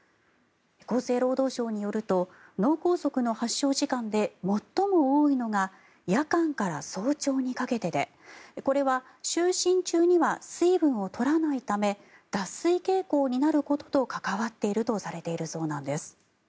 厚生労働省によると脳梗塞の発症時間で最も多いのが夜間から早朝にかけてでこれは就寝中には水分を取らないため脱水傾向になることと関わっているとされているそうなんです。